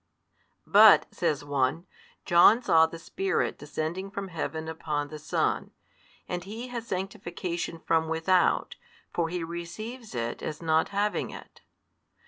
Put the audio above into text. But, says one, John saw the Spirit descending from Heaven upon the Son, and He has Sanctification from without, for He receives it as not having it.